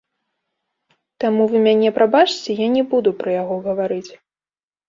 Таму вы мяне прабачце, я не буду пра яго гаварыць.